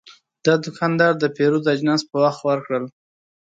دا دوکاندار د پیرود اجناس په وخت ورکړل.